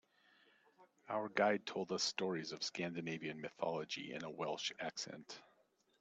Our guide told us stories of Scandinavian mythology in a Welsh accent.